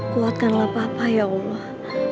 kuatkanlah papa ya allah